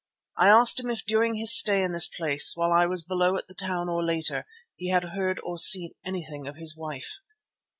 I asked him if during his stay in this place, while I was below at the town or later, he had heard or seen anything of his wife.